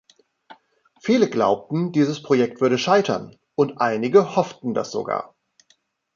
Viele glaubten, dieses Projekt würde scheitern, und einige hofften das sogar.